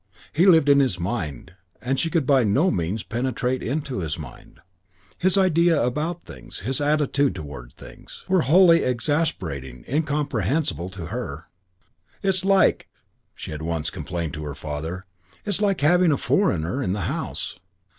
He lived in his mind, and she could by no means penetrate into his mind. His ideas about things, his attitude towards things, were wholly and exasperatingly incomprehensible to her. "It's like," she had once complained to her father, "it's like having a foreigner in the house."